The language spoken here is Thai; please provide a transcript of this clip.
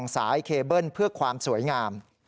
สายเคเบิ้ลเพื่อความสวยงาม